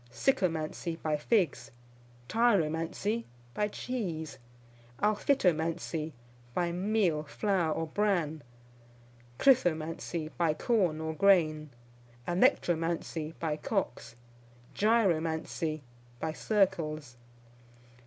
Sycomancy, by figs. Tyromancy, by cheese. Alphitomancy, by meal, flour, or bran. Krithomancy, by corn or grain. Alectromancy, by cocks. Gyromancy, by circles.